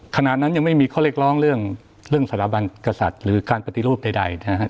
ขณะนั้นยังไม่มีข้อเรียกร้องเรื่องสถาบันกษัตริย์หรือการปฏิรูปใดนะฮะ